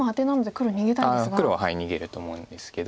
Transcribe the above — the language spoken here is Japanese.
黒は逃げると思うんですけど。